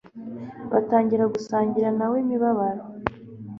batangira gusangira na we imibabaro.